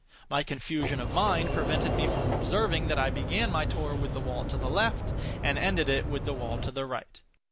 My confusion of mind prevented me from observing that I began my tour with the wall to the left, and ended it with the wall to the right.